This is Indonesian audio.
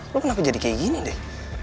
lo kenapa jadi kayak gini deh